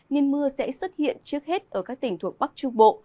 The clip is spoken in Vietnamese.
nên mưa sẽ xuất hiện trước hết ở các tỉnh thuộc bắc trung bộ